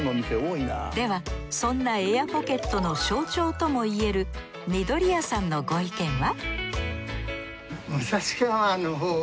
ではそんなエアポケットの象徴ともいえるみどりやさんのご意見は？